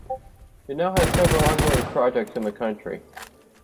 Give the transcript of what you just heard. It now has several ongoing projects in the country.